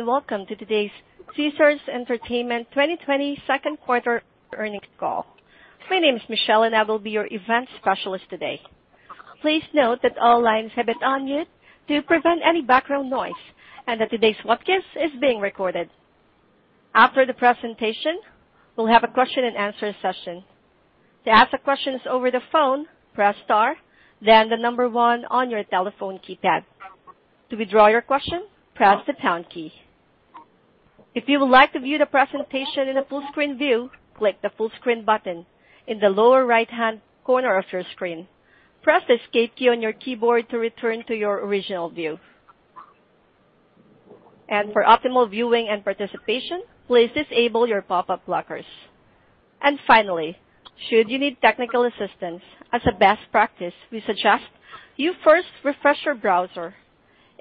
Welcome to today's Caesars Entertainment 2020 second quarter earnings call. My name is Michelle, and I will be your Event Specialist today. Please note that all lines have been on mute to prevent any background noise, and that today's webcast is being recorded. After the presentation, we'll have a question-and-answer session. To ask questions over the phone, press star then the number one on your telephone keypad. To withdraw your question, press the pound key. If you would like to view the presentation in a full screen view, click the full screen button in the lower right-hand corner of your screen. Press the escape key on your keyboard to return to your original view. For optimal viewing and participation, please disable your pop-up blockers. Finally, should you need technical assistance, as a best practice, we suggest you first refresh your browser.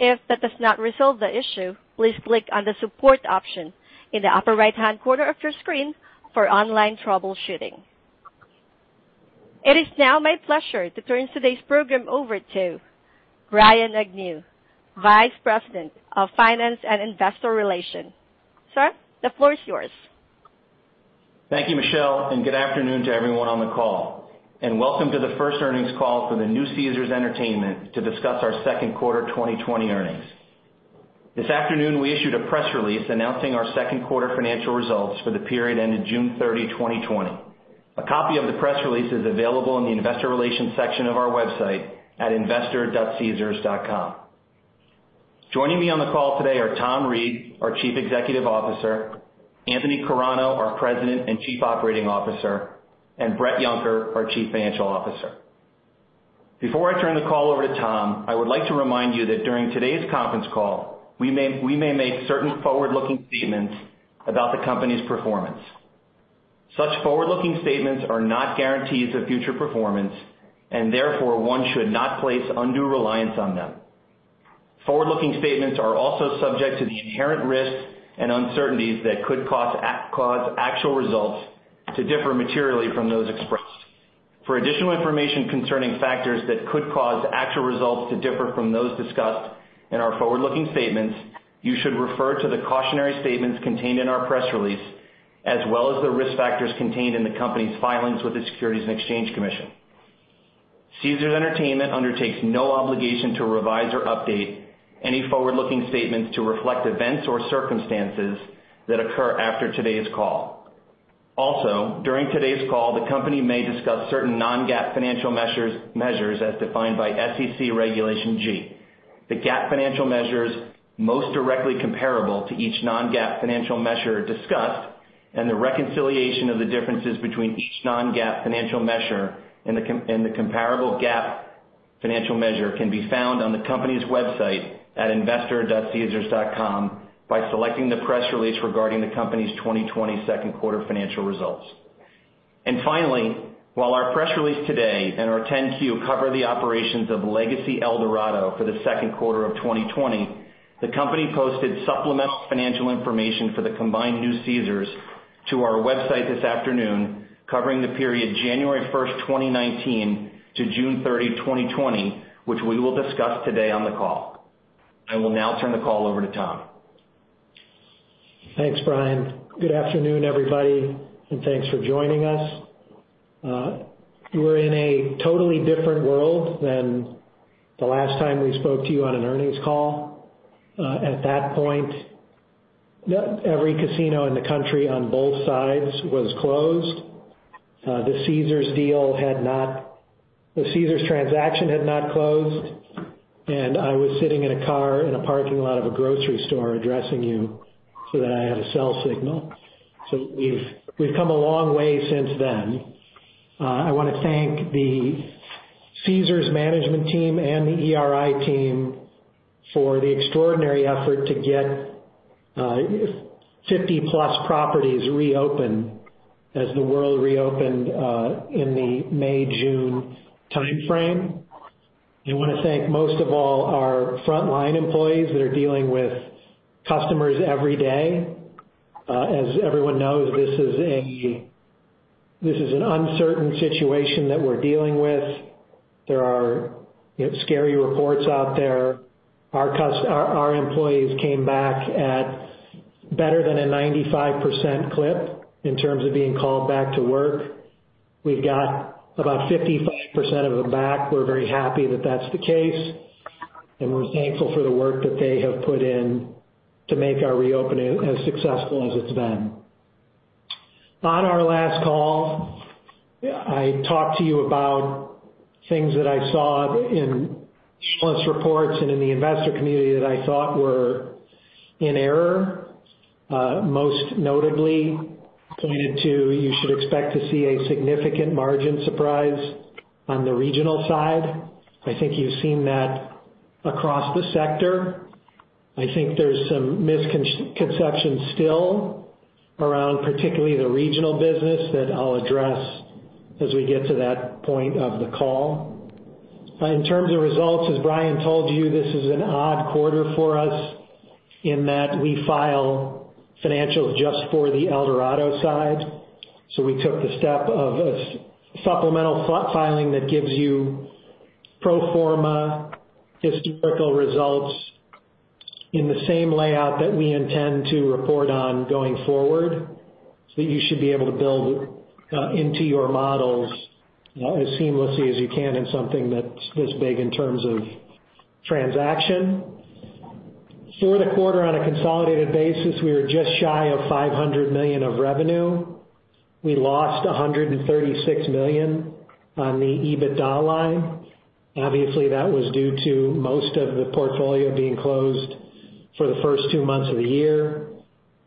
If that does not resolve the issue, please click on the support option in the upper right-hand corner of your screen for online troubleshooting. It is now my pleasure to turn today's program over to Brian Agnew, Vice President of Finance and Investor Relations. Sir, the floor is yours. Thank you, Michelle. Good afternoon to everyone on the call. Welcome to the first earnings call for the new Caesars Entertainment to discuss our second quarter 2020 earnings. This afternoon, we issued a press release announcing our second quarter financial results for the period ended June 30, 2020. A copy of the press release is available in the investor relation section of our website at investor.caesars.com. Joining me on the call today are Tom Reeg, our Chief Executive Officer, Anthony Carano, our President and Chief Operating Officer, and Bret Yunker, our Chief Financial Officer. Before I turn the call over to Tom, I would like to remind you that during today's conference call, we may make certain forward-looking statements about the company's performance. Such forward-looking statements are not guarantees of future performance, and therefore one should not place undue reliance on them. Forward-looking statements are also subject to the inherent risks and uncertainties that could cause actual results to differ materially from those expressed. For additional information concerning factors that could cause actual results to differ from those discussed in our forward-looking statements, you should refer to the cautionary statements contained in our press release, as well as the risk factors contained in the company's filings with the Securities and Exchange Commission. Caesars Entertainment undertakes no obligation to revise or update any forward-looking statements to reflect events or circumstances that occur after today's call. Also, during today's call, the company may discuss certain non-GAAP financial measures as defined by SEC Regulation G. The GAAP financial measures most directly comparable to each non-GAAP financial measure discussed, and the reconciliation of the differences between each non-GAAP financial measure and the comparable GAAP financial measure can be found on the company's website at investor.caesars.com by selecting the press release regarding the company's 2020 second quarter financial results. Finally, while our press release today and our 10-Q cover the operations of Legacy Eldorado for the second quarter of 2020, the company posted supplemental financial information for the combined new Caesars to our website this afternoon, covering the period January 1st, 2019 to June 30, 2020, which we will discuss today on the call. I will now turn the call over to Tom. Thanks, Brian. Good afternoon, everybody, thanks for joining us. We're in a totally different world than the last time we spoke to you on an earnings call. At that point, every casino in the country on both sides was closed. The Caesars transaction had not closed. I was sitting in a car in a parking lot of a grocery store addressing you so that I had a cell signal. We've come a long way since then. I want to thank the Caesars management team and the ERI team for the extraordinary effort to get 50+ properties reopened as the world reopened, in the May, June timeframe. I want to thank most of all our frontline employees that are dealing with customers every day. As everyone knows, this is an uncertain situation that we're dealing with. There are scary reports out there. Our employees came back at better than a 95% clip in terms of being called back to work. We've got about 55% of them back. We're very happy that that's the case, and we're thankful for the work that they have put in to make our reopening as successful as it's been. On our last call, I talked to you about things that I saw in reports and in the investor community that I thought were in error. Most notably pointed to you should expect to see a significant margin surprise on the regional side. I think you've seen that across the sector. I think there's some misconception still around particularly the regional business that I'll address as we get to that point of the call. In terms of results, as Brian told you, this is an odd quarter for us in that we file financials just for the Eldorado side. We took the step of a supplemental filing that gives you pro forma historical results in the same layout that we intend to report on going forward. You should be able to build into your models as seamlessly as you can in something that's this big in terms of transaction. For the quarter on a consolidated basis, we were just shy of $500 million of revenue. We lost $136 million on the EBITDA line. Obviously, that was due to most of the portfolio being closed for the first two months of the year.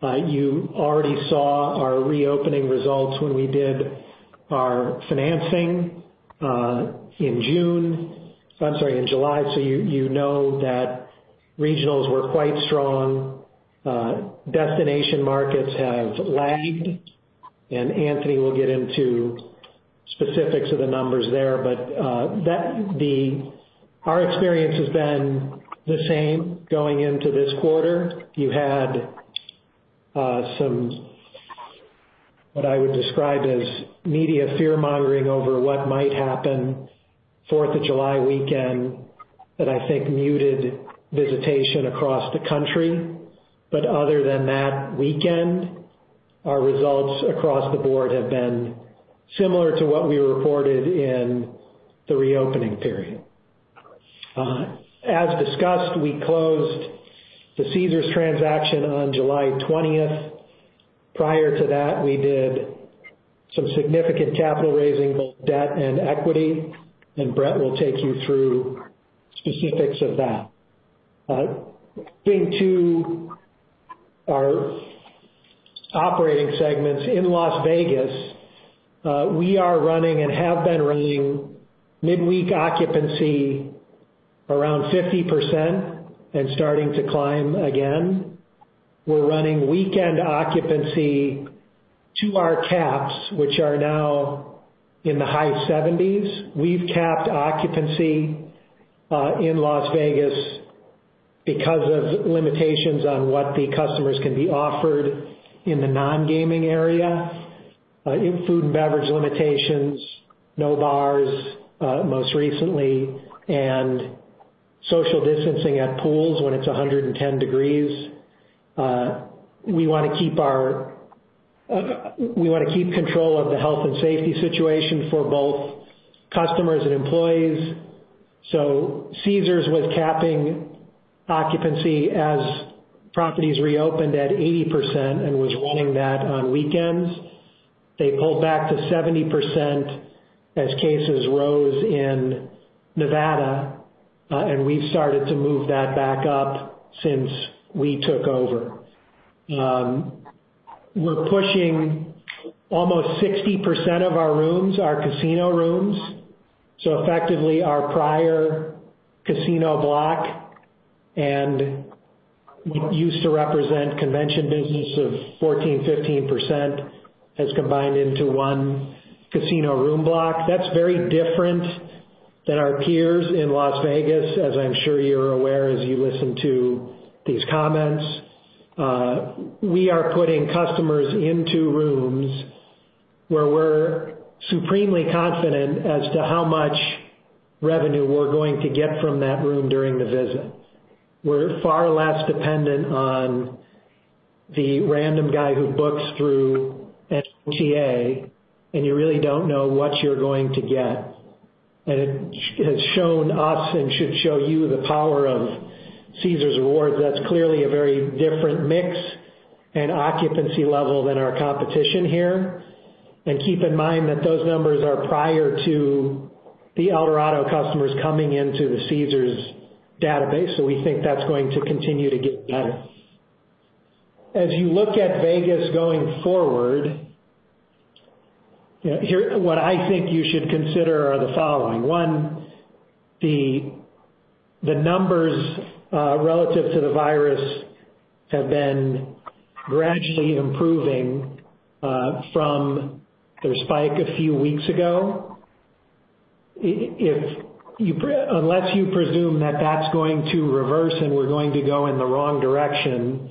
You already saw our reopening results when we did our financing in July, so you know that regionals were quite strong. Destination markets have lagged, and Anthony will get into specifics of the numbers there. Our experience has been the same going into this quarter. You had some, what I would describe as media fear-mongering over what might happen 4th of July weekend that I think muted visitation across the country. Other than that weekend, our results across the board have been similar to what we reported in the reopening period. As discussed, we closed the Caesars transaction on July 20th. Prior to that, we did some significant capital raising, both debt and equity, and Bret will take you through specifics of that. Getting to our operating segments in Las Vegas, we are running and have been running midweek occupancy around 50% and starting to climb again. We're running weekend occupancy to our caps, which are now in the high 70s. We've capped occupancy in Las Vegas because of limitations on what the customers can be offered in the non-gaming area. In food and beverage limitations, no bars, most recently, and social distancing at pools when it's 110 degrees. We want to keep control of the health and safety situation for both customers and employees. Caesars was capping occupancy as properties reopened at 80% and was running that on weekends. They pulled back to 70% as cases rose in Nevada, and we've started to move that back up since we took over. We're pushing almost 60% of our rooms, our casino rooms. Effectively, our prior casino block and what used to represent convention business of 14%, 15% has combined into one casino room block. That's very different than our peers in Las Vegas, as I'm sure you're aware as you listen to these comments. We are putting customers into rooms where we're supremely confident as to how much revenue we're going to get from that room during the visit. We're far less dependent on the random guy who books through OTA, and you really don't know what you're going to get. It has shown us and should show you the power of Caesars Rewards. That's clearly a very different mix and occupancy level than our competition here. Keep in mind that those numbers are prior to the Eldorado customers coming into the Caesars database, so we think that's going to continue to get better. As you look at Vegas going forward, what I think you should consider are the following. One, the numbers relative to the virus have been gradually improving from their spike a few weeks ago. Unless you presume that that's going to reverse and we're going to go in the wrong direction,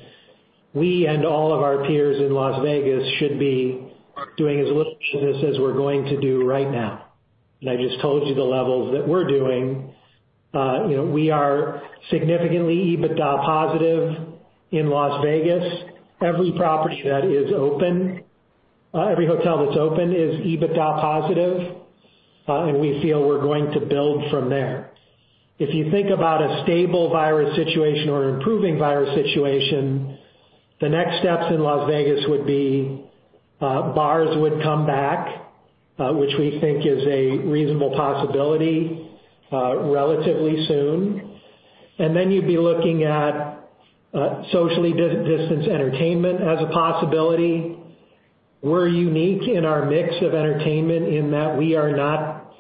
we and all of our peers in Las Vegas should be doing as little of this as we're going to do right now. I just told you the levels that we're doing. We are significantly EBITDA positive in Las Vegas. Every hotel that's open is EBITDA positive, and we feel we're going to build from there. If you think about a stable virus situation or improving virus situation, the next steps in Las Vegas would be bars would come back, which we think is a reasonable possibility relatively soon. Then you'd be looking at socially distanced entertainment as a possibility. We're unique in our mix of entertainment in that we are not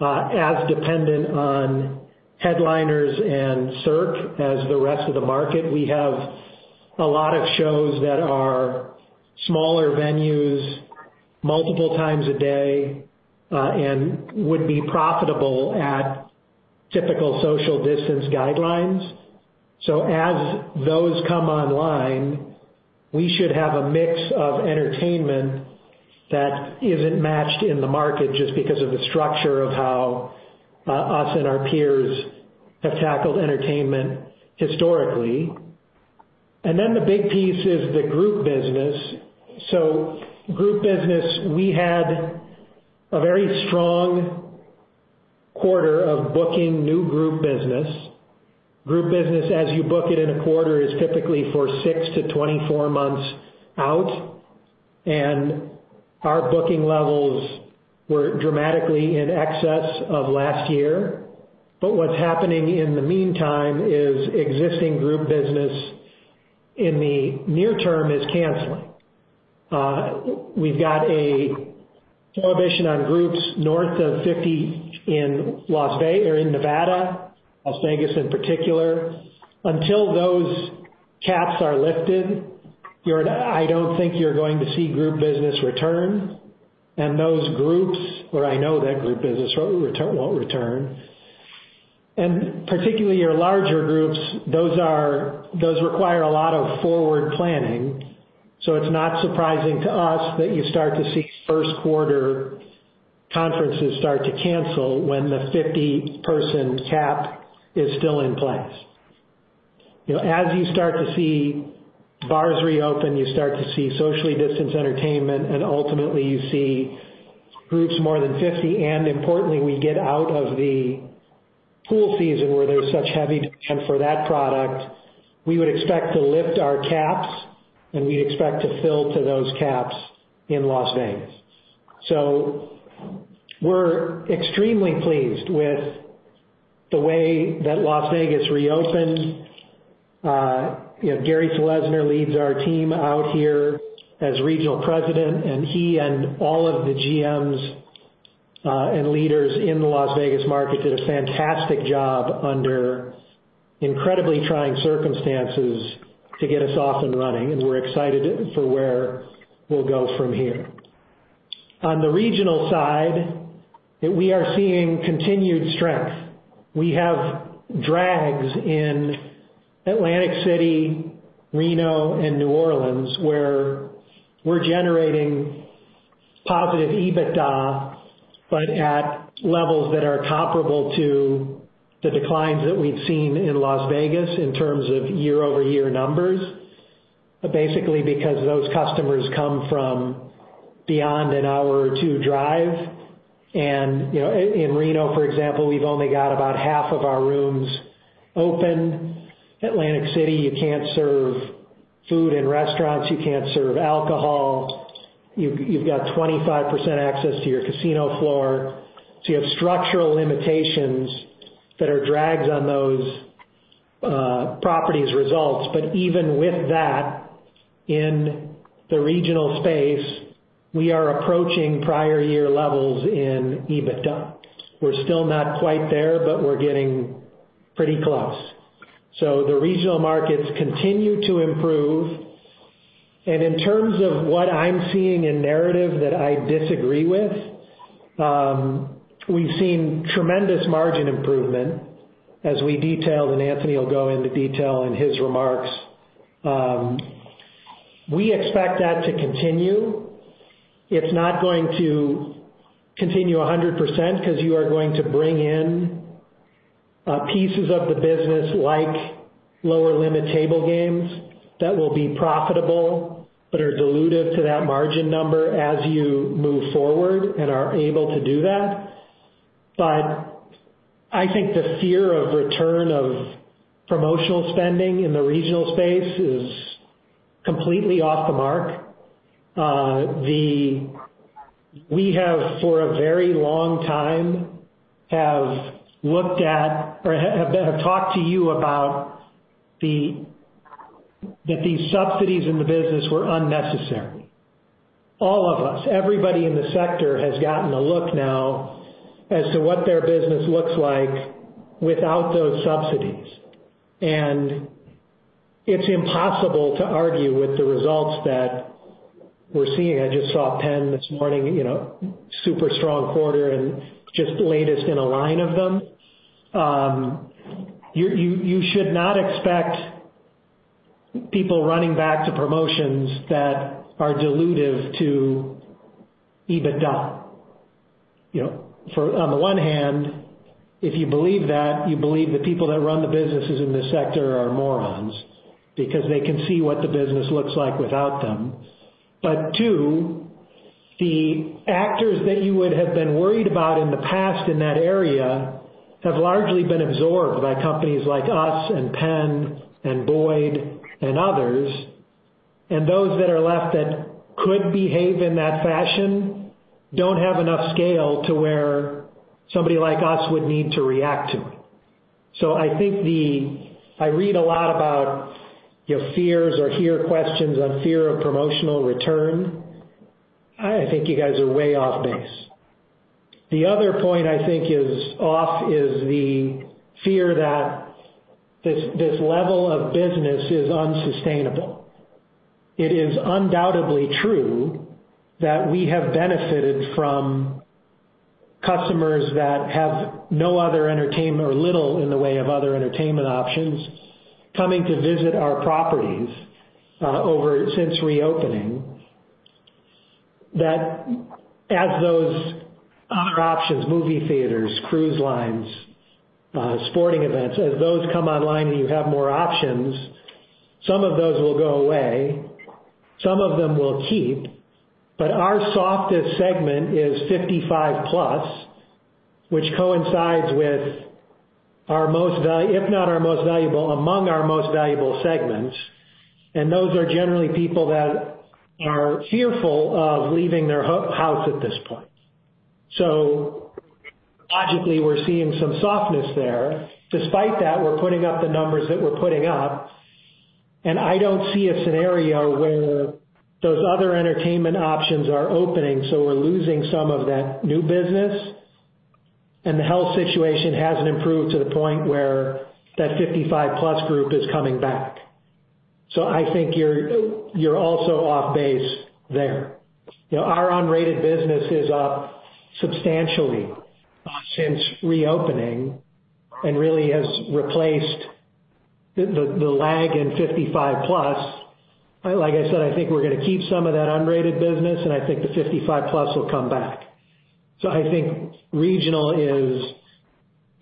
as dependent on headliners and Cirque as the rest of the market. We have a lot of shows that are smaller venues multiple times a day and would be profitable at typical social distance guidelines. As those come online. We should have a mix of entertainment that isn't matched in the market just because of the structure of how us and our peers have tackled entertainment historically. The big piece is the group business. Group business, we had a very strong quarter of booking new group business. Group business, as you book it in a quarter, is typically for six to 24 months out, and our booking levels were dramatically in excess of last year. What's happening in the meantime is existing group business in the near term is canceling. We've got a prohibition on groups north of 50 in Nevada, Las Vegas in particular. Until those caps are lifted, I don't think you're going to see group business return. I know that group business won't return. Particularly your larger groups, those require a lot of forward planning, so it's not surprising to us that you start to see first quarter conferences start to cancel when the 50-person cap is still in place. As you start to see bars reopen, you start to see socially distanced entertainment, and ultimately you see groups more than 50, and importantly, we get out of the pool season where there's such heavy demand for that product, we would expect to lift our caps and we'd expect to fill to those caps in Las Vegas. We're extremely pleased with the way that Las Vegas reopened. Gary Selesner leads our team out here as Regional President. He and all of the GMs and leaders in the Las Vegas market did a fantastic job under incredibly trying circumstances to get us off and running. We're excited for where we'll go from here. On the regional side, we are seeing continued strength. We have drags in Atlantic City, Reno, and New Orleans, where we're generating positive EBITDA at levels that are comparable to the declines that we'd seen in Las Vegas in terms of year-over-year numbers. Basically because those customers come from beyond an hour or two drive and in Reno, for example, we've only got about half of our rooms open. Atlantic City, you can't serve food in restaurants, you can't serve alcohol. You've got 25% access to your casino floor. You have structural limitations that are drags on those properties' results. Even with that, in the regional space, we are approaching prior year levels in EBITDA. We're still not quite there, but we're getting pretty close. The regional markets continue to improve. In terms of what I'm seeing in narrative that I disagree with, we've seen tremendous margin improvement as we detailed, and Anthony will go into detail in his remarks. We expect that to continue. It's not going to continue 100% because you are going to bring in pieces of the business like lower limit table games that will be profitable, but are dilutive to that margin number as you move forward and are able to do that. I think the fear of return of promotional spending in the regional space is completely off the mark. We have, for a very long time, have looked at or have talked to you about that these subsidies in the business were unnecessary. All of us, everybody in the sector has gotten a look now as to what their business looks like without those subsidies. It's impossible to argue with the results that we're seeing. I just saw Penn this morning, super strong quarter and just the latest in a line of them. You should not expect people running back to promotions that are dilutive to EBITDA. On the one hand, if you believe that, you believe the people that run the businesses in this sector are morons because they can see what the business looks like without them. Two, the actors that you would have been worried about in the past in that area have largely been absorbed by companies like us and Penn and Boyd and others. Those that are left that could behave in that fashion don't have enough scale to where somebody like us would need to react to it. I read a lot about fears or hear questions on fear of promotional return. I think you guys are way off base. The other point I think is off is the fear that this level of business is unsustainable. It is undoubtedly true that we have benefited from customers that have no other entertainment or little in the way of other entertainment options coming to visit our properties since reopening, that as those other options, movie theaters, cruise lines, sporting events, as those come online and you have more options, some of those will go away. Some of them will keep. Our softest segment is 55 plus, which coincides with, if not our most valuable, among our most valuable segments, and those are generally people that are fearful of leaving their house at this point. Logically, we're seeing some softness there. Despite that, we're putting up the numbers that we're putting up, and I don't see a scenario where those other entertainment options are opening, so we're losing some of that new business, and the health situation hasn't improved to the point where that 55-plus group is coming back. I think you're also off base there. Our unrated business is up substantially since reopening and really has replaced the lag in 55-plus. Like I said, I think we're going to keep some of that unrated business, and I think the 55-plus will come back. I think regional is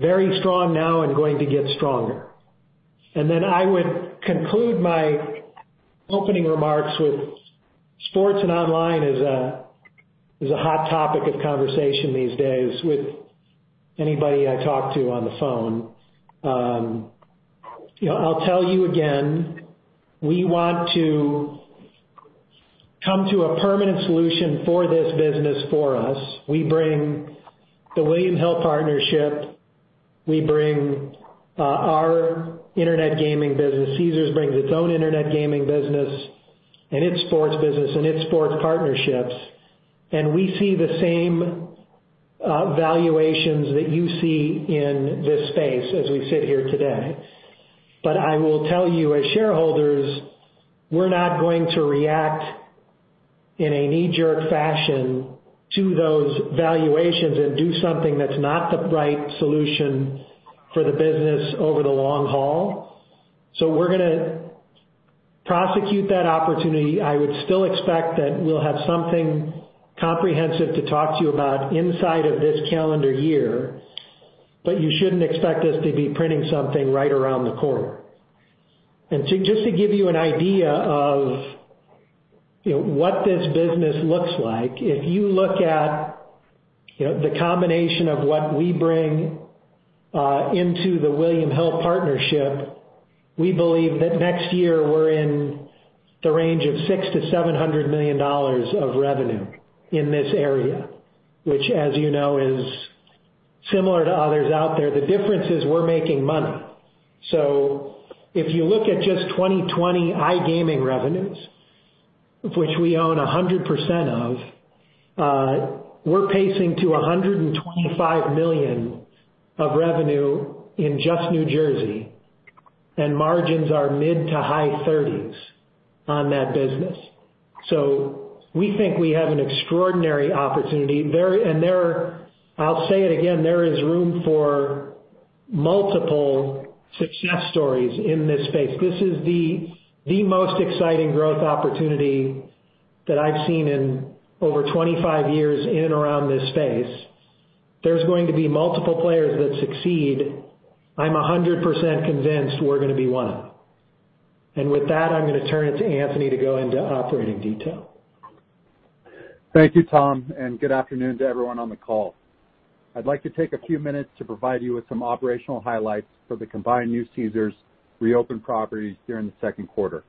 very strong now and going to get stronger. Then I would conclude my opening remarks with sports and online is a hot topic of conversation these days with anybody I talk to on the phone. I'll tell you again, we want to come to a permanent solution for this business for us. We bring the William Hill partnership. We bring our internet gaming business. Caesars brings its own internet gaming business and its sports business and its sports partnerships, and we see the same valuations that you see in this space as we sit here today. I will tell you, as shareholders, we're not going to react in a knee-jerk fashion to those valuations and do something that's not the right solution for the business over the long haul. We're going to prosecute that opportunity. I would still expect that we'll have something comprehensive to talk to you about inside of this calendar year, but you shouldn't expect us to be printing something right around the corner. Just to give you an idea of what this business looks like, if you look at the combination of what we bring into the William Hill partnership, we believe that next year we're in the range of $600 million-$700 million of revenue in this area, which, as you know, is similar to others out there. The difference is we're making money. If you look at just 2020 iGaming revenues, which we own 100% of, we're pacing to $125 million of revenue in just New Jersey, and margins are mid-to-high 30s on that business. We think we have an extraordinary opportunity. I'll say it again, there is room for multiple success stories in this space. This is the most exciting growth opportunity that I've seen in over 25 years in and around this space. There's going to be multiple players that succeed. I'm 100% convinced we're going to be one of them. With that, I'm going to turn it to Anthony to go into operating detail. Thank you, Tom, and good afternoon to everyone on the call. I'd like to take a few minutes to provide you with some operational highlights for the combined new Caesars reopened properties during the second quarter.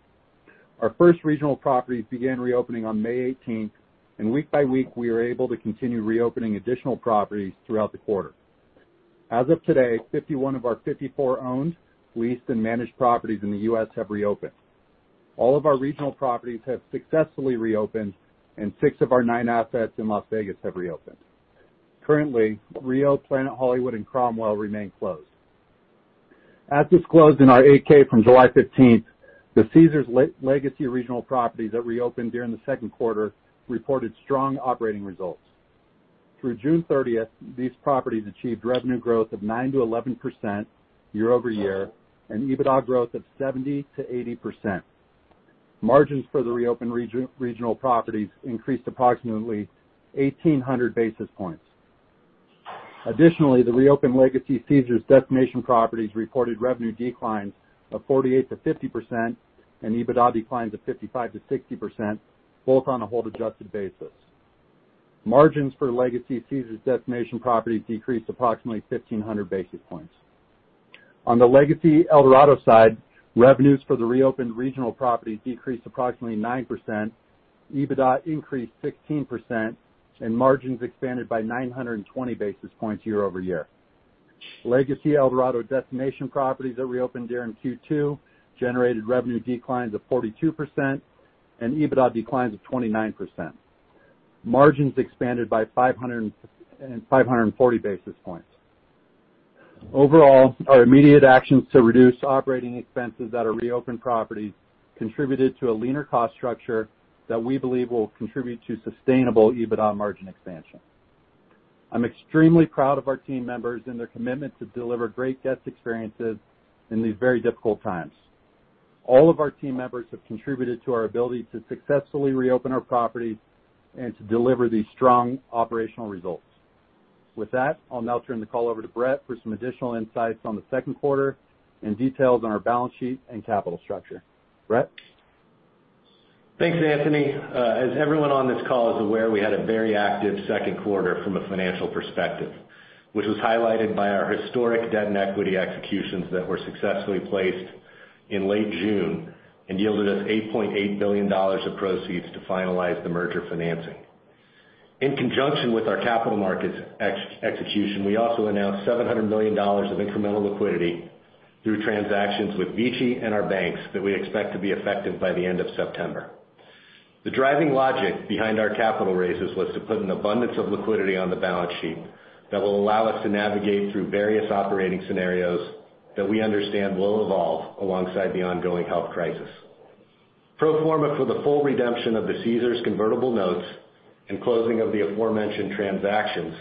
Our first regional properties began reopening on May 18th, and week by week, we were able to continue reopening additional properties throughout the quarter. As of today, 51 of our 54 owned, leased, and managed properties in the U.S. have reopened. All of our regional properties have successfully reopened, and six of our nine assets in Las Vegas have reopened. Currently, Rio, Planet Hollywood, and Cromwell remain closed. As disclosed in our 8-K from July 15th, the Caesars Legacy regional properties that reopened during the second quarter reported strong operating results. Through June 30th, these properties achieved revenue growth of 9%-11% year-over-year and EBITDA growth of 70%-80%. Margins for the reopened regional properties increased approximately 1,800 basis points. Additionally, the reopened Legacy Caesars destination properties reported revenue declines of 48%-50% and EBITDA declines of 55%-60%, both on a hold adjusted basis. Margins for Legacy Caesars destination properties decreased approximately 1,500 basis points. On the Legacy Eldorado side, revenues for the reopened regional properties decreased approximately 9%, EBITDA increased 16%, and margins expanded by 920 basis points year-over-year. Legacy Eldorado destination properties that reopened during Q2 generated revenue declines of 42% and EBITDA declines of 29%. Margins expanded by 540 basis points. Overall, our immediate actions to reduce operating expenses at our reopened properties contributed to a leaner cost structure that we believe will contribute to sustainable EBITDA margin expansion. I'm extremely proud of our team members and their commitment to deliver great guest experiences in these very difficult times. All of our team members have contributed to our ability to successfully reopen our properties and to deliver these strong operational results. With that, I'll now turn the call over to Bret for some additional insights on the second quarter and details on our balance sheet and capital structure. Bret? Thanks, Anthony. As everyone on this call is aware, we had a very active second quarter from a financial perspective, which was highlighted by our historic debt and equity executions that were successfully placed in late June and yielded us $8.8 billion of proceeds to finalize the merger financing. In conjunction with our capital markets execution, we also announced $700 million of incremental liquidity through transactions with VICI and our banks that we expect to be effective by the end of September. The driving logic behind our capital raises was to put an abundance of liquidity on the balance sheet that will allow us to navigate through various operating scenarios that we understand will evolve alongside the ongoing health crisis. Pro forma for the full redemption of the Caesars convertible notes and closing of the aforementioned transactions,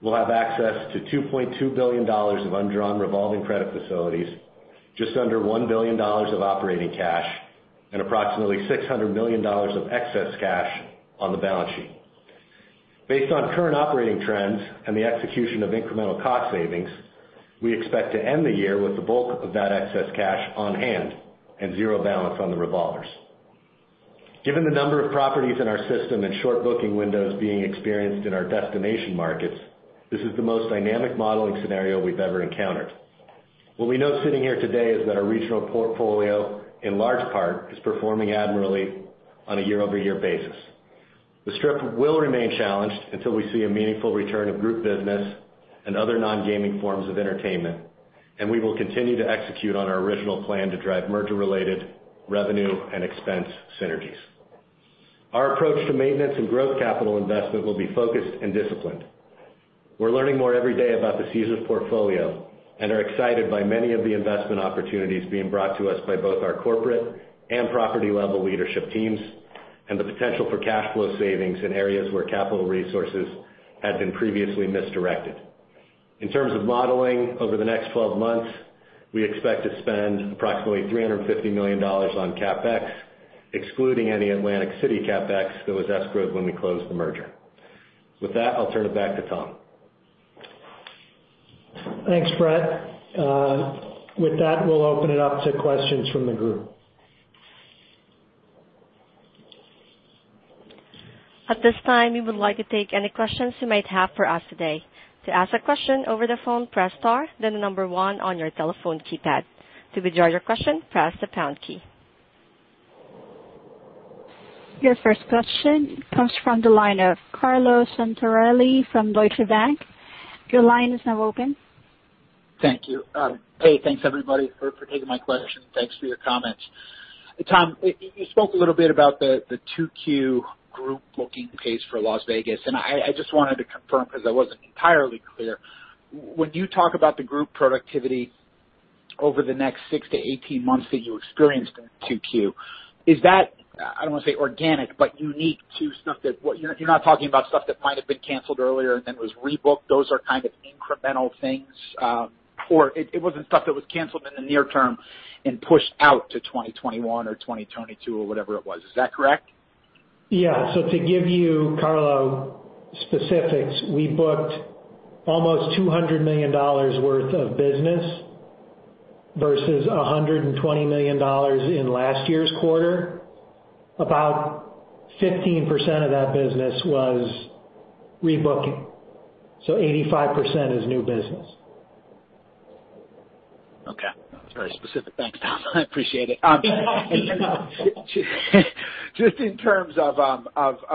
we'll have access to $2.2 billion of undrawn revolving credit facilities, just under $1 billion of operating cash, and approximately $600 million of excess cash on the balance sheet. Based on current operating trends and the execution of incremental cost savings, we expect to end the year with the bulk of that excess cash on hand and zero balance on the revolvers. Given the number of properties in our system and short booking windows being experienced in our destination markets, this is the most dynamic modeling scenario we've ever encountered. What we know sitting here today is that our regional portfolio, in large part, is performing admirably on a year-over-year basis. The Strip will remain challenged until we see a meaningful return of group business and other non-gaming forms of entertainment, and we will continue to execute on our original plan to drive merger-related revenue and expense synergies. Our approach to maintenance and growth capital investment will be focused and disciplined. We're learning more every day about the Caesars portfolio and are excited by many of the investment opportunities being brought to us by both our corporate and property-level leadership teams, and the potential for cash flow savings in areas where capital resources had been previously misdirected. In terms of modeling, over the next 12 months, we expect to spend approximately $350 million on CapEx, excluding any Atlantic City CapEx that was escrowed when we closed the merger. With that, I'll turn it back to Tom. Thanks, Bret. With that, we'll open it up to questions from the group. At this time, we would like to take any questions you might have for us today. To ask a question over the phone, press star, then the number one on your telephone keypad. To withdraw your question, press the pound key. Your first question comes from the line of Carlo Santarelli from Deutsche Bank. Your line is now open. Thank you. Hey, thanks everybody for taking my question. Thanks for your comments. Tom, you spoke a little bit about the Q2 group booking pace for Las Vegas, and I just wanted to confirm, because I wasn't entirely clear. When you talk about the group productivity over the next six to 18 months that you experienced in Q2, is that, I don't want to say organic, but unique to stuff that you're not talking about stuff that might have been canceled earlier and then was rebooked? Those are kind of incremental things. It wasn't stuff that was canceled in the near term and pushed out to 2021 or 2022 or whatever it was. Is that correct? Yeah. To give you, Carlo, specifics, we booked almost $200 million worth of business versus $120 million in last year's quarter. About 15% of that business was rebooking. 85% is new business. Okay. Very specific. Thanks, Tom. I appreciate it. Just in terms of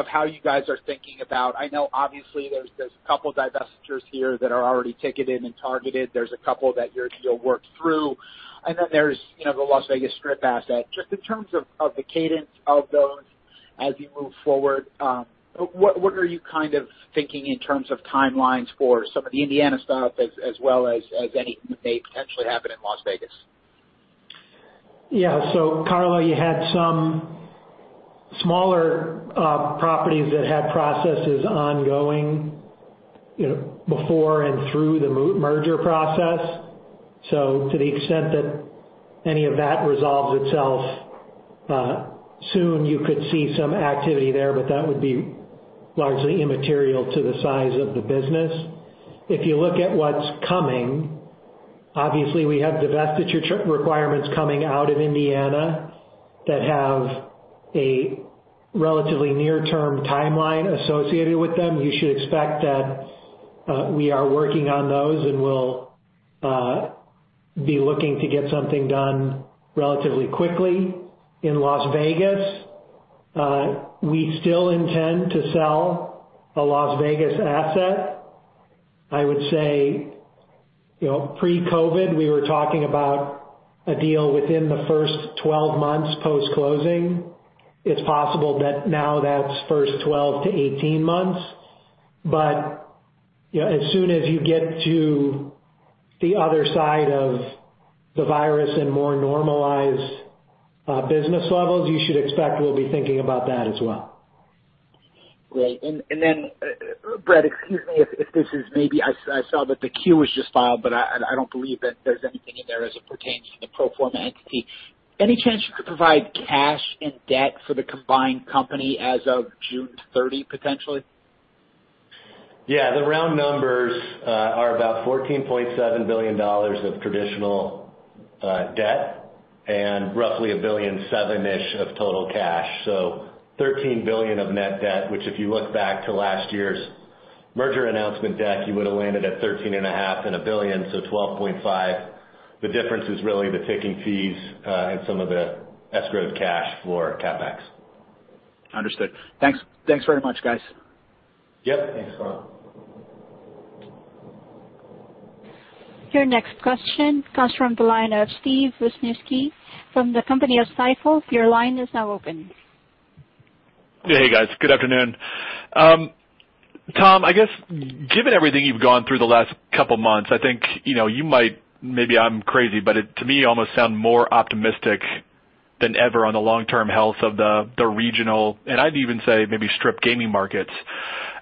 how you guys are thinking about, I know obviously there's a couple divestitures here that are already ticketed and targeted. There's a couple that you'll work through. There's the Las Vegas Strip asset. Just in terms of the cadence of those as you move forward, what are you kind of thinking in terms of timelines for some of the Indiana stuff as well as anything that may potentially happen in Las Vegas? Carlo, you had some smaller properties that had processes ongoing before and through the merger process. To the extent that any of that resolves itself soon, you could see some activity there, but that would be largely immaterial to the size of the business. If you look at what's coming, obviously we have divestiture requirements coming out of Indiana that have a relatively near-term timeline associated with them. You should expect that we are working on those and will be looking to get something done relatively quickly. In Las Vegas, we still intend to sell a Las Vegas asset. I would say, pre-COVID, we were talking about a deal within the first 12 months post-closing. It's possible that now that's first 12-18 months. As soon as you get to the other side of the virus and more normalized business levels, you should expect we'll be thinking about that as well. Great. Bret, excuse me if this is I saw that the 10-Q was just filed, but I don't believe that there's anything in there as it pertains to the pro forma entity. Any chance you could provide cash and debt for the combined company as of June 30, potentially? Yeah. The round numbers are about $14.7 billion of traditional debt and roughly $1.7 billion-ish of total cash. $13 billion of net debt, which if you look back to last year's merger announcement deck, you would've landed at $13.5 billion and $1 billion, so $12.5 billion. The difference is really the ticking fees, and some of the escrowed cash for CapEx. Understood. Thanks very much, guys. Yep. Thanks, Carlo. Your next question comes from the line of Steven Wieczynski from the company of Stifel. Your line is now open. Hey, guys. Good afternoon. Tom, I guess, given everything you've gone through the last couple of months, I think you might, maybe I'm crazy, but to me, you almost sound more optimistic than ever on the long-term health of the regional, and I'd even say maybe strip gaming markets.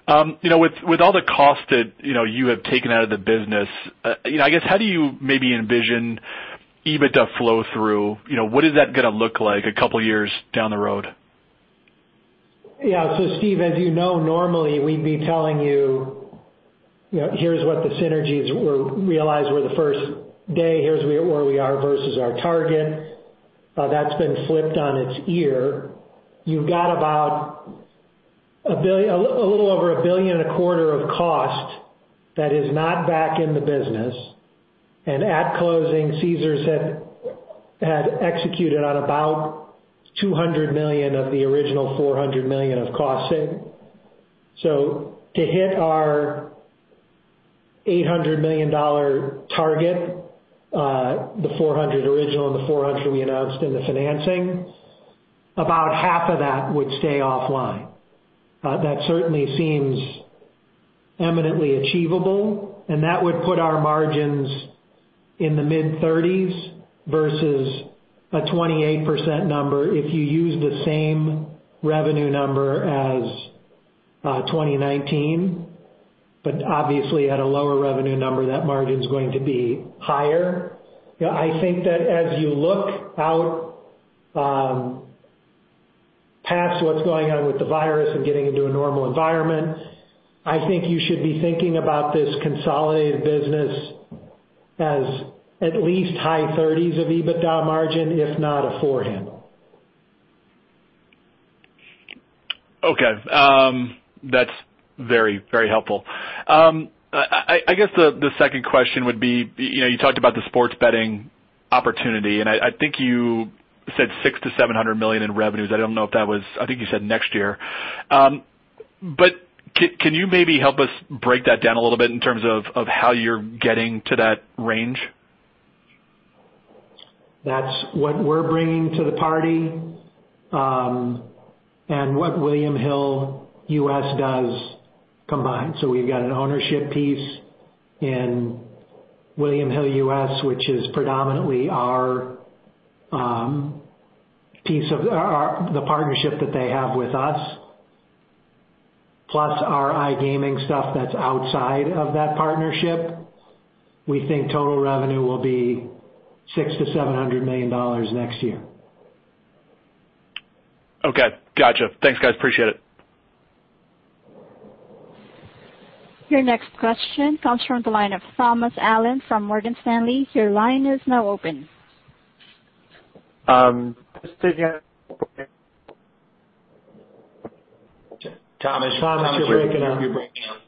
With all the cost that you have taken out of the business, how do you maybe envision EBITDA flow through? What is that going to look like a couple of years down the road? Yeah. Steve, as you know, normally, we'd be telling you, "Here's what the synergies were realized were the first day. Here's where we are versus our target." That's been flipped on its ear. You've got about a little over $1 billion and a quarter of cost that is not back in the business. At closing, Caesars had executed on about $200 million of the original $400 million of cost saving. To hit our $800 million target, the $400 original and the $400 we announced in the financing, about half of that would stay offline. That certainly seems eminently achievable, and that would put our margins in the mid-30s versus a 28% number if you use the same revenue number as 2019. Obviously, at a lower revenue number, that margin's going to be higher. I think that as you look out past what's going on with the virus and getting into a normal environment, I think you should be thinking about this consolidated business as at least high 30s of EBITDA margin, if not a four handle. Okay. That's very helpful. I guess the second question would be, you talked about the sports betting opportunity, and I think you said $600 million-$700 million in revenues. I don't know if that was, I think you said next year. Can you maybe help us break that down a little bit in terms of how you're getting to that range? That's what we're bringing to the party, and what William Hill U.S. does combined. We've got an ownership piece in William Hill U.S., which is predominantly the partnership that they have with us, plus our iGaming stuff that's outside of that partnership. We think total revenue will be $600 to $700 million next year. Okay. Got you. Thanks, guys. Appreciate it. Your next question comes from the line of Thomas Allen from Morgan Stanley. Your line is now open. Just again- Thomas, you're breaking up.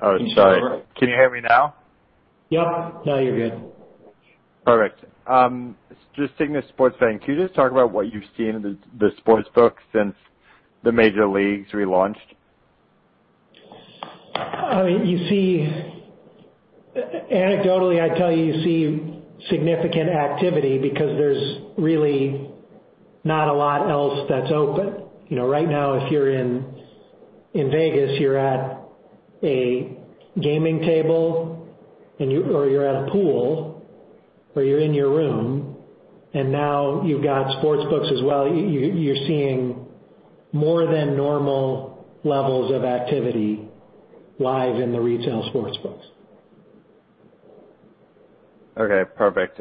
Oh, sorry. Can you hear me now? Yep. Now you're good. Perfect. Just sticking to sports betting. Can you just talk about what you've seen in the sports book since the major leagues relaunched? Anecdotally, I'd tell you see significant activity because there's really not a lot else that's open. Right now, if you're in Vegas, you're at a gaming table, or you're at a pool, or you're in your room, and now you've got sports books as well. You're seeing more than normal levels of activity live in the retail sports books. Okay. Perfect.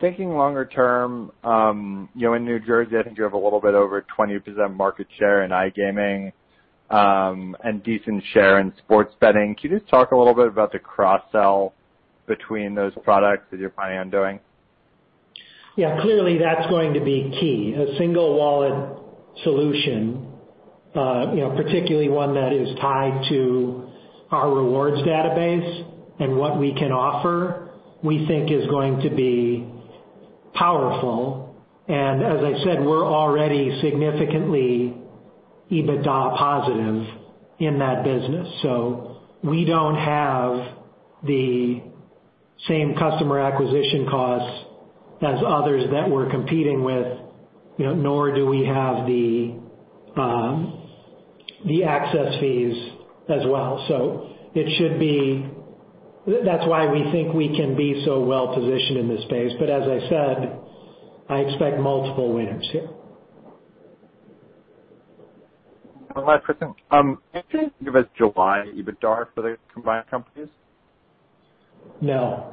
Thinking longer term, in New Jersey, I think you have a little bit over 20% market share in iGaming, and decent share in sports betting. Can you just talk a little bit about the cross-sell between those products that you're planning on doing? Yeah. Clearly, that's going to be key. A single wallet solution, particularly one that is tied to our rewards database and what we can offer, we think is going to be powerful. As I said, we're already significantly EBITDA positive in that business. We don't have the same customer acquisition costs as others that we're competing with, nor do we have the access fees as well. That's why we think we can be so well-positioned in this space. As I said, I expect multiple winners here. Hi Tom,. Can you give us July EBITDA for the combined companies? No.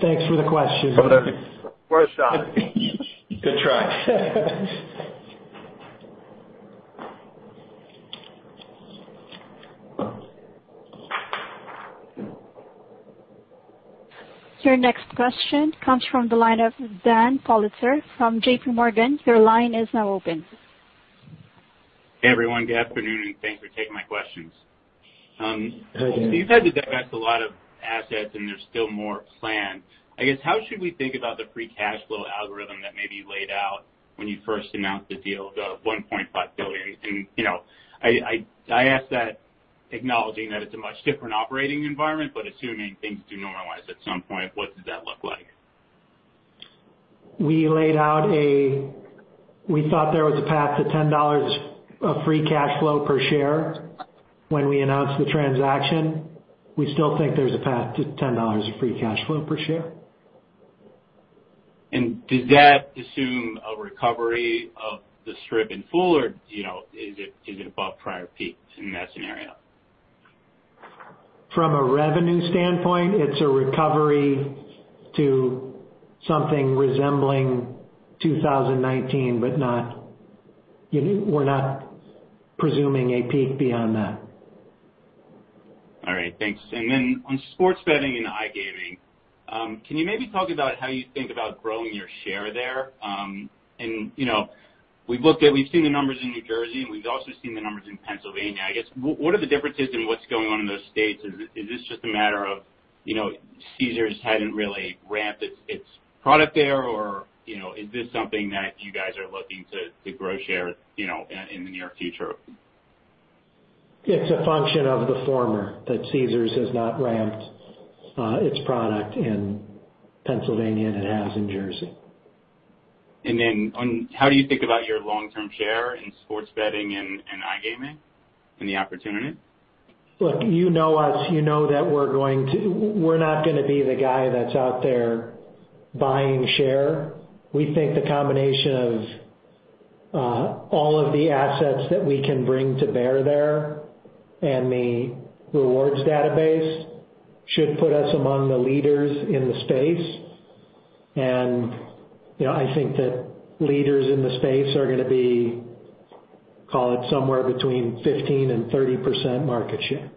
Thanks for the question. Worth a shot. Good try. Your next question comes from the line of Dan Politzer from JPMorgan. Your line is now open. Hey, everyone. Good afternoon, and thanks for taking my questions. Hey, Dan. You've had to divest a lot of assets and there's still more planned. I guess, how should we think about the free cash flow algorithm that may be laid out when you first announced the deal, the $1.5 billion? I ask that acknowledging that it's a much different operating environment, but assuming things do normalize at some point, what does that look like? We thought there was a path to $10 of free cash flow per share when we announced the transaction. We still think there's a path to $10 of free cash flow per share. Does that assume a recovery of the Strip in full or is it above prior peaks in that scenario? From a revenue standpoint, it's a recovery to something resembling 2019, but we're not presuming a peak beyond that. All right. Thanks. Then on sports betting and iGaming, can you maybe talk about how you think about growing your share there? We've seen the numbers in New Jersey, and we've also seen the numbers in Pennsylvania. I guess, what are the differences in what's going on in those states? Is this just a matter of Caesars hadn't really ramped its product there or is this something that you guys are looking to grow share in the near future? It's a function of the former, that Caesars has not ramped its product in Pennsylvania and it has in Jersey. How do you think about your long-term share in sports betting and iGaming and the opportunity? Look, you know us. You know that we're not going to be the guy that's out there buying share. We think the combination of all of the assets that we can bring to bear there and the rewards database should put us among the leaders in the space. I think that leaders in the space are going to be, call it somewhere between 15% and 30% market share.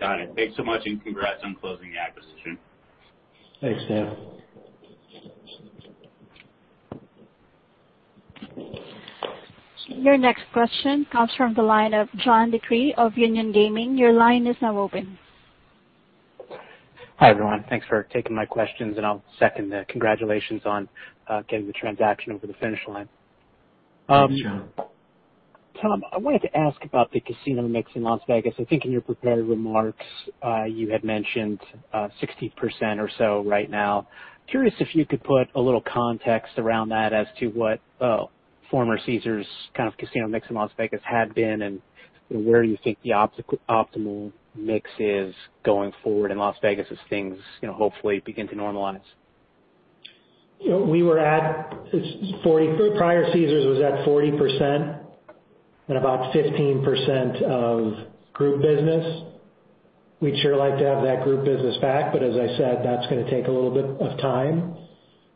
Got it. Thanks so much. Congrats on closing the acquisition. Thanks, Dan. Your next question comes from the line of John DeCree of Union Gaming. Your line is now open. Hi, everyone. Thanks for taking my questions, and I'll second the congratulations on getting the transaction over the finish line. Thanks, John. Tom, I wanted to ask about the casino mix in Las Vegas. I think in your prepared remarks, you had mentioned 60% or so right now. Curious if you could put a little context around that as to what former Caesars kind of casino mix in Las Vegas had been and where you think the optimal mix is going forward in Las Vegas as things hopefully begin to normalize. Prior Caesars was at 40% and about 15% of group business. We'd sure like to have that group business back. As I said, that's going to take a little bit of time.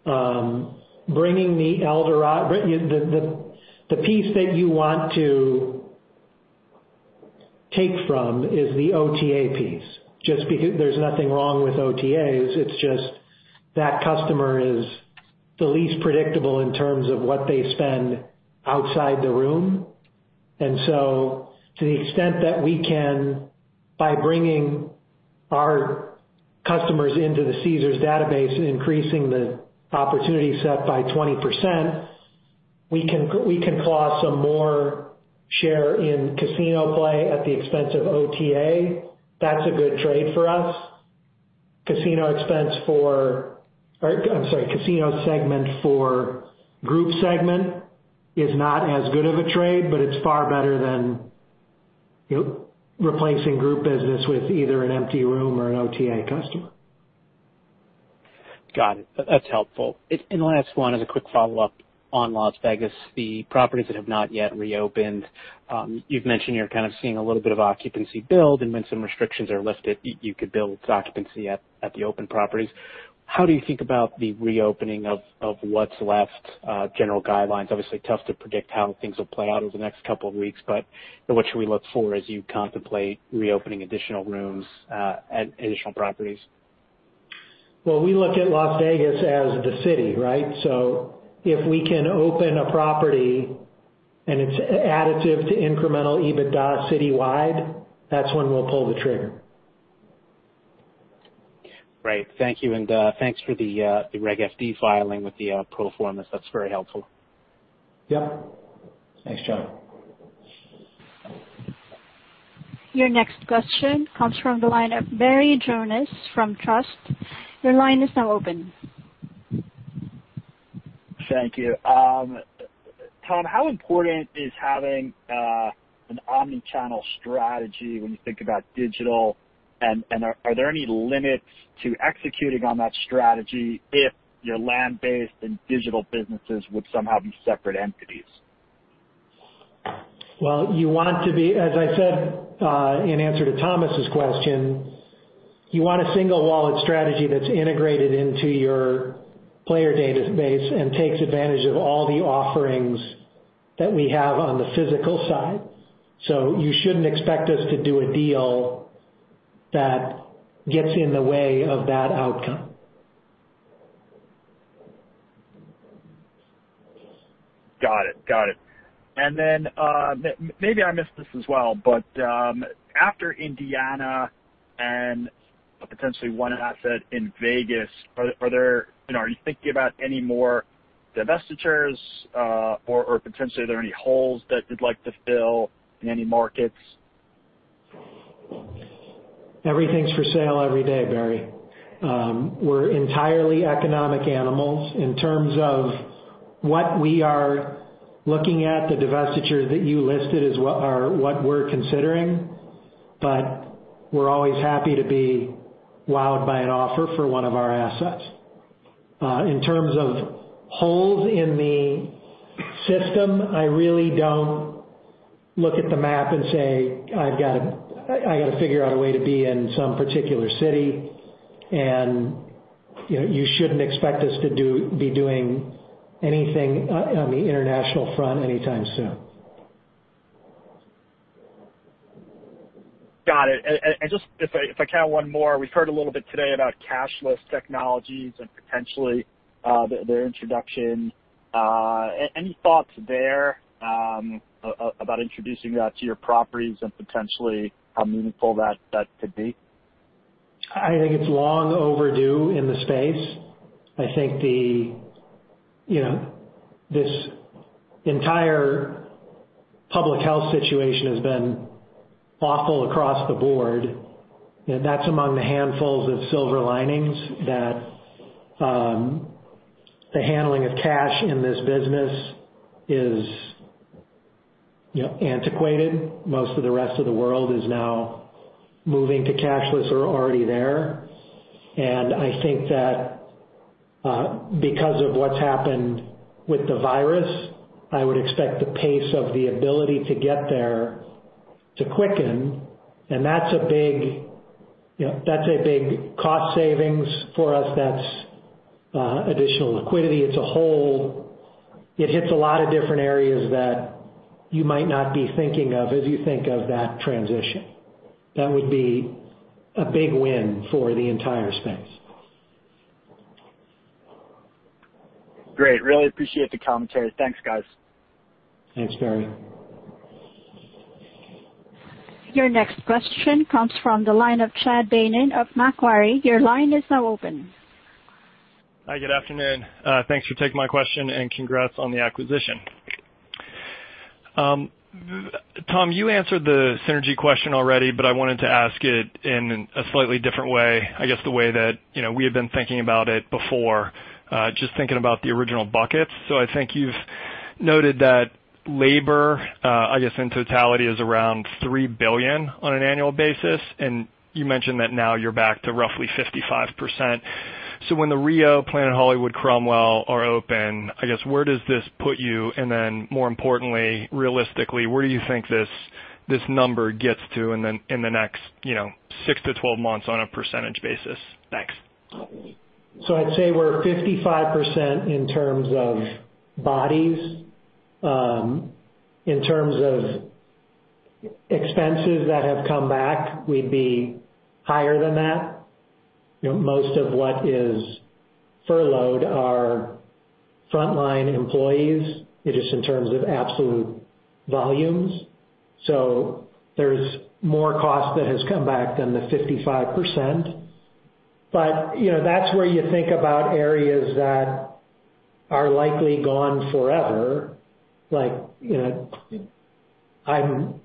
The piece that you want to take from is the OTA piece. There's nothing wrong with OTAs, it's just that customer is the least predictable in terms of what they spend outside the room. To the extent that we can, by bringing our customers into the Caesars database, increasing the opportunity set by 20%, we can claw some more share in casino play at the expense of OTA. That's a good trade for us. Casino segment for group segment is not as good of a trade. It's far better than replacing group business with either an empty room or an OTA customer. Got it. That's helpful. Last one, as a quick follow-up on Las Vegas, the properties that have not yet reopened. You've mentioned you're kind of seeing a little bit of occupancy build, and when some restrictions are lifted, you could build occupancy at the open properties. How do you think about the reopening of what's left? General guidelines, obviously tough to predict how things will play out over the next couple of weeks, but what should we look for as you contemplate reopening additional rooms, additional properties? We look at Las Vegas as the city, right? If we can open a property and it's additive to incremental EBITDA citywide, that's when we'll pull the trigger. Right. Thank you. Thanks for the Regulation FD filing with the pro forma. That's very helpful. Yep. Thanks, John. Your next question comes from the line of Barry Jonas from Truist. Your line is now open. Thank you. Tom, how important is having an omni-channel strategy when you think about digital? Are there any limits to executing on that strategy if your land-based and digital businesses would somehow be separate entities? As I said in answer to Thomas's question, you want a single wallet strategy that's integrated into your player database and takes advantage of all the offerings that we have on the physical side. You shouldn't expect us to do a deal that gets in the way of that outcome. Got it. Maybe I missed this as well, but after Indiana and potentially one asset in Vegas, are you thinking about any more divestitures or potentially are there any holes that you'd like to fill in any markets? Everything's for sale every day, Barry. We're entirely economic animals. In terms of what we are looking at, the divestiture that you listed is what we're considering, but we're always happy to be wowed by an offer for one of our assets. In terms of holes in the system, I really don't look at the map and say, "I've got to figure out a way to be in some particular city," and you shouldn't expect us to be doing anything on the international front anytime soon. Got it. Just if I can, one more. We've heard a little bit today about cashless technologies and potentially their introduction. Any thoughts there about introducing that to your properties and potentially how meaningful that could be? I think it's long overdue in the space. I think this entire public health situation has been awful across the board, and that's among the handfuls of silver linings that the handling of cash in this business is antiquated. Most of the rest of the world is now moving to cashless or are already there. I think that because of what's happened with the virus, I would expect the pace of the ability to get there to quicken, and that's a big cost savings for us. That's additional liquidity. It hits a lot of different areas that you might not be thinking of as you think of that transition. That would be a big win for the entire space. Great. Really appreciate the commentary. Thanks, guys. Thanks, Barry. Your next question comes from the line of Chad Beynon of Macquarie. Your line is now open. Hi, good afternoon. Thanks for taking my question and congrats on the acquisition. Tom, you answered the synergy question already, I wanted to ask it in a slightly different way, I guess the way that we have been thinking about it before, just thinking about the original buckets. I think you've noted that labor, I guess in totality, is around $3 billion on an annual basis, and you mentioned that now you're back to roughly 55%. When the Rio, Planet Hollywood, Cromwell are open, I guess, where does this put you? More importantly, realistically, where do you think this number gets to in the next six to 12 months on a percentage basis? Thanks. I'd say we're 55% in terms of bodies. In terms of expenses that have come back, we'd be higher than that. Most of what is furloughed are frontline employees, just in terms of absolute volumes. There's more cost that has come back than the 55%. That's where you think about areas that are likely gone forever. I'm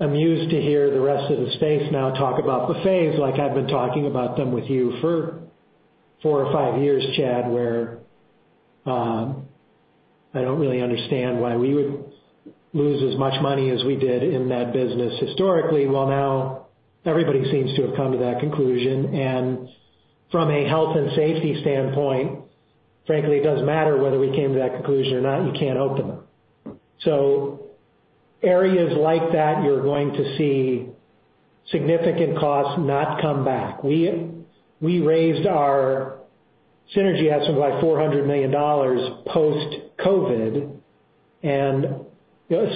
amused to hear the rest of the space now talk about buffets like I've been talking about them with you for four or five years, Chad, where I don't really understand why we would lose as much money as we did in that business historically. Well, now everybody seems to have come to that conclusion, and from a health and safety standpoint, frankly, it doesn't matter whether we came to that conclusion or not, you can't open them. Areas like that, you're going to see significant costs not come back. We raised our synergy estimates by $400 million post-COVID, and a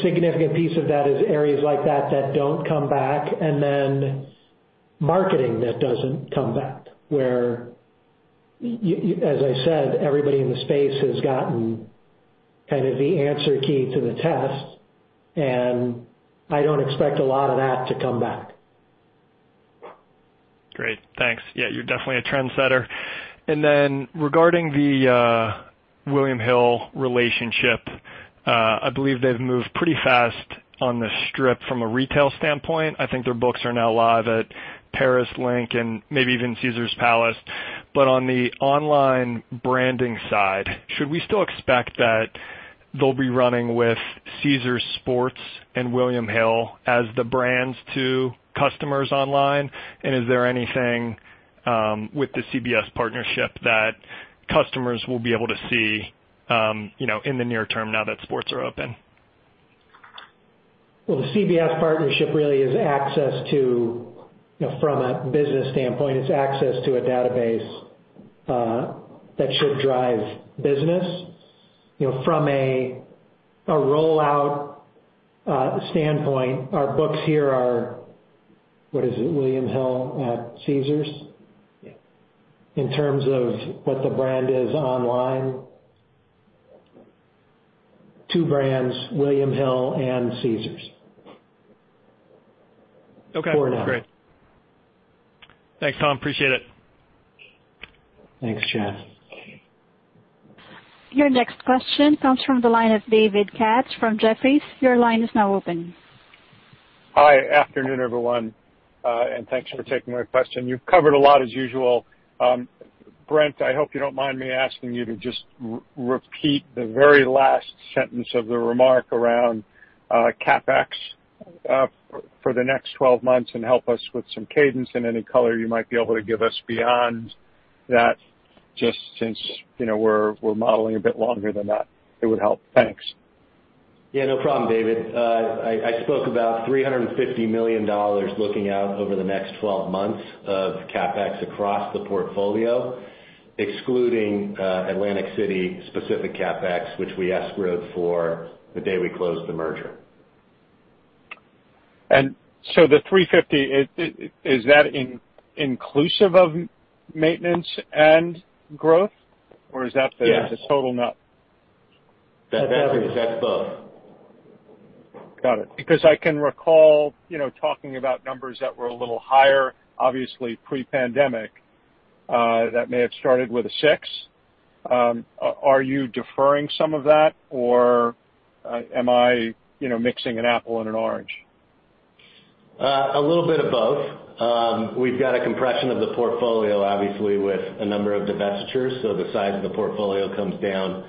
significant piece of that is areas like that that don't come back, and then marketing that doesn't come back. As I said, everybody in the space has gotten kind of the answer key to the test, and I don't expect a lot of that to come back. Great. Thanks. Yeah, you're definitely a trendsetter. Then regarding the William Hill relationship, I believe they've moved pretty fast on the Strip from a retail standpoint. I think their books are now live at Paris, LINQ, and maybe even Caesars Palace. On the online branding side, should we still expect that they'll be running with Caesars Sportsbook and William Hill as the brands to customers online? Is there anything with the CBS partnership that customers will be able to see in the near term now that sports are open? Well, the CBS partnership really is access to, from a business standpoint, it's access to a database that should drive business. From a rollout standpoint, our books here are, what is it, William Hill at Caesars? Yeah. In terms of what the brand is online, two brands, William Hill and Caesars. Okay. Great. For now. Thanks, Tom. Appreciate it. Thanks, Chad. Your next question comes from the line of David Katz from Jefferies. Your line is now open. Hi. Afternoon, everyone. Thanks for taking my question. You've covered a lot as usual. Bret, I hope you don't mind me asking you to just repeat the very last sentence of the remark around CapEx for the next 12 months and help us with some cadence and any color you might be able to give us beyond that, just since we're modeling a bit longer than that. It would help. Thanks. Yeah, no problem, David. I spoke about $350 million looking out over the next 12 months of CapEx across the portfolio, excluding Atlantic City-specific CapEx, which we escrowed for the day we closed the merger. The $350, is that inclusive of maintenance and growth? Yes The total net? That covers both. Got it. I can recall talking about numbers that were a little higher, obviously pre-pandemic, that may have started with a six. Are you deferring some of that or am I mixing an apple and an orange? A little bit of both. We've got a compression of the portfolio, obviously, with a number of divestitures. The size of the portfolio comes down,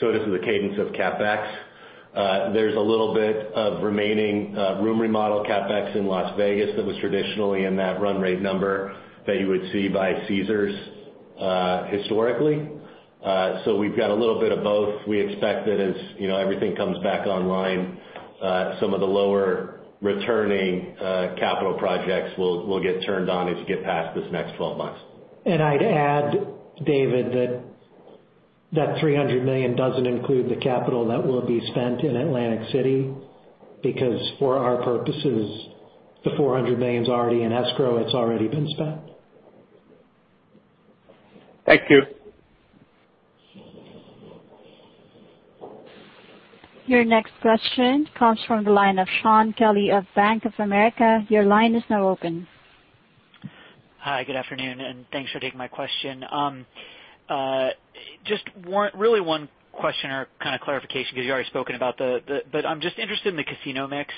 so does the cadence of CapEx. There's a little bit of remaining room remodel CapEx in Las Vegas that was traditionally in that run rate number that you would see by Caesars historically. We've got a little bit of both. We expect that as everything comes back online, some of the lower returning capital projects will get turned on as you get past this next 12 months. I'd add, David, that that $300 million doesn't include the capital that will be spent in Atlantic City, because for our purposes, the $400 million's already in escrow. It's already been spent. Thank you. Your next question comes from the line of Shaun Kelley of Bank of America. Your line is now open. Hi, good afternoon. Thanks for taking my question. Just really one question or kind of clarification. I'm just interested in the casino mix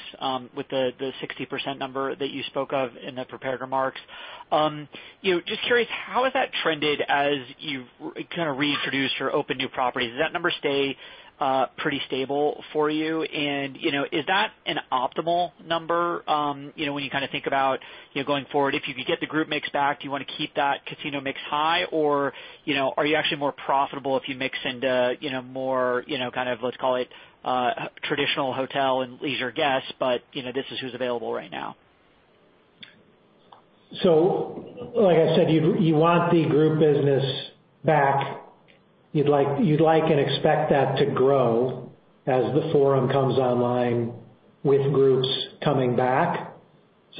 with the 60% number that you spoke of in the prepared remarks. Just curious, how has that trended as you kind of reintroduced or opened new properties? Does that number stay pretty stable for you? Is that an optimal number when you kind of think about going forward? If you could get the group mix back, do you want to keep that casino mix high, or are you actually more profitable if you mix into more kind of, let's call it, traditional hotel and leisure guests, but this is who's available right now? Like I said, you want the group business back. You'd like and expect that to grow as The Forum comes online with groups coming back.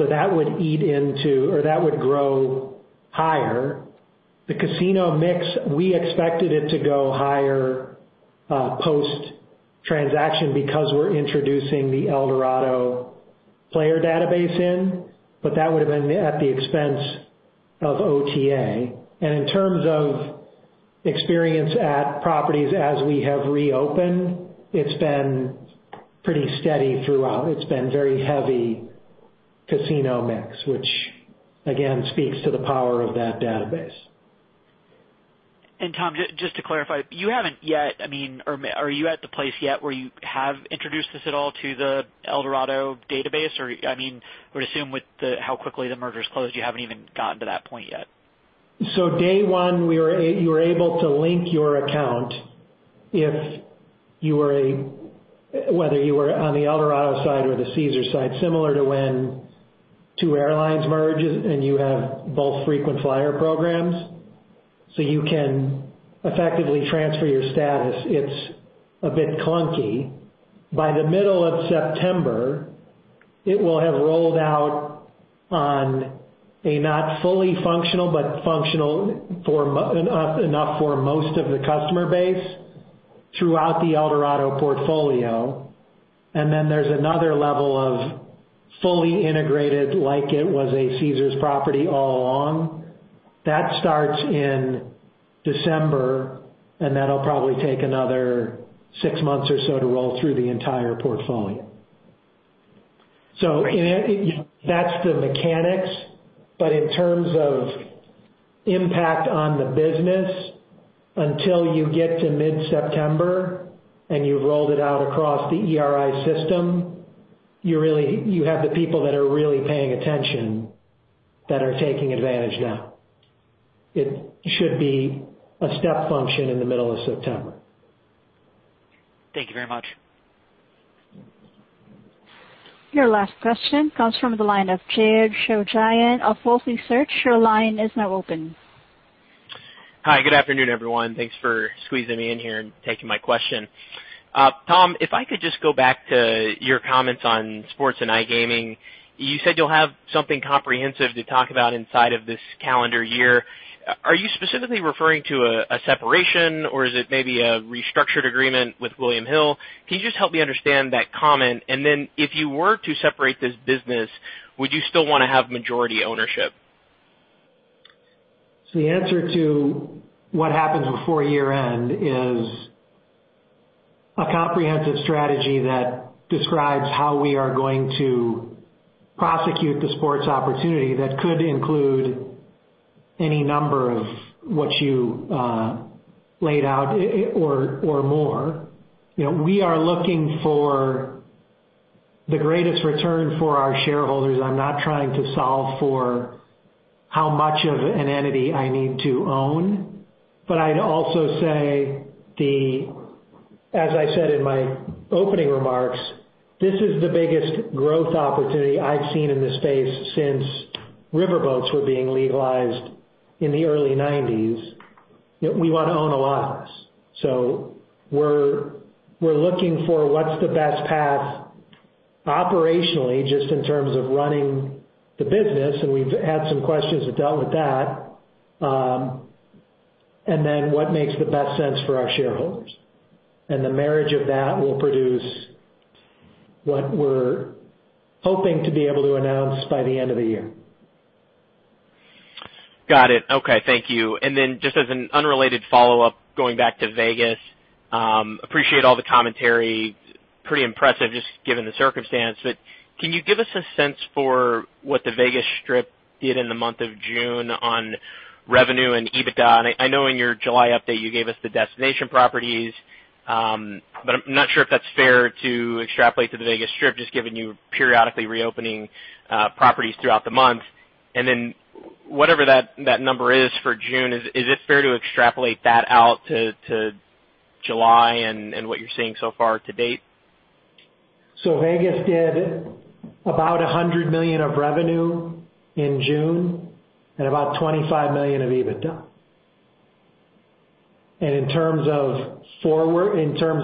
That would eat into or that would grow higher. The casino mix, we expected it to go higher post-transaction because we're introducing the Eldorado player database in, but that would have been at the expense of OTA. In terms of experience at properties as we have reopened, it's been pretty steady throughout. It's been very heavy casino mix, which again, speaks to the power of that database. Tom, just to clarify, you haven't yet, I mean, or are you at the place yet where you have introduced this at all to the Eldorado database? I mean, I would assume with how quickly the merger's closed, you haven't even gotten to that point yet. Day one, you were able to link your account whether you were on the Eldorado side or the Caesars side, similar to when two airlines merge and you have both frequent flyer programs. You can effectively transfer your status. It's a bit clunky. By the middle of September, it will have rolled out on a not fully functional, but functional enough for most of the customer base throughout the Eldorado portfolio. There's another level of fully integrated, like it was a Caesars property all along. That starts in December, and that'll probably take another six months or so to roll through the entire portfolio. That's the mechanics. In terms of impact on the business, until you get to mid-September and you've rolled it out across the ERI system, you have the people that are really paying attention that are taking advantage now. It should be a step function in the middle of September. Thank you very much. Your last question comes from the line of Jared Shojaian of Wolfe Research. Your line is now open. Hi, good afternoon, everyone. Thanks for squeezing me in here and taking my question. Tom, if I could just go back to your comments on sports and iGaming. You said you'll have something comprehensive to talk about inside of this calendar year. Are you specifically referring to a separation or is it maybe a restructured agreement with William Hill? Can you just help me understand that comment? If you were to separate this business, would you still want to have majority ownership? Th answer to what happens before year-end is a comprehensive strategy that describes how we are going to prosecute the sports opportunity that could include any number of what you laid out or more. We are looking for the greatest return for our shareholders. I'm not trying to solve for how much of an entity I need to own. I'd also say, as I said in my opening remarks, this is the biggest growth opportunity I've seen in this space since riverboats were being legalized in the early 1990s. We want to own a lot of this. We're looking for what's the best path operationally, just in terms of running the business, and we've had some questions that dealt with that. Then what makes the best sense for our shareholders. The marriage of that will produce what we're hoping to be able to announce by the end of the year. Got it. Okay. Thank you. Just as an unrelated follow-up, going back to Vegas, appreciate all the commentary, pretty impressive, just given the circumstance. Can you give us a sense for what the Vegas Strip did in the month of June on revenue and EBITDA? I know in your July update you gave us the destination properties. I'm not sure if that's fair to extrapolate to the Vegas Strip, just given you periodically reopening properties throughout the month. Whatever that number is for June, is it fair to extrapolate that out to July and what you're seeing so far to date? Vegas did about $100 million of revenue in June and about $25 million of EBITDA. In terms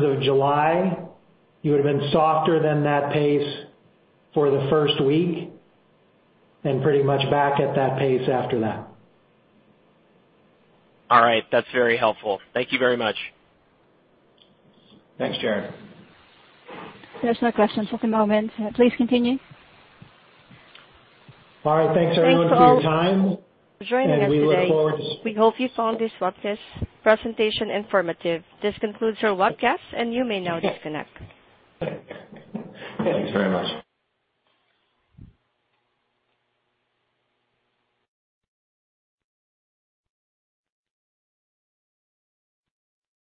of July, you would've been softer than that pace for the first week and pretty much back at that pace after that. All right. That's very helpful. Thank you very much. Thanks, Jared. There's no questions at the moment. Please continue. All right. Thanks, everyone, for your time. Thanks for joining us today. And we look forward to- We hope you found this webcast presentation informative. This concludes your webcast, and you may now disconnect. Thanks very much.